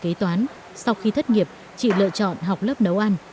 đây là nghề kế toán sau khi thất nghiệp chị lựa chọn học lớp nấu ăn